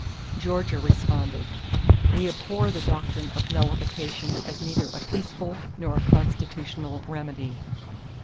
Georgia responded: "We abhor the doctrine of nullification as neither a peaceful nor a constitutional remedy."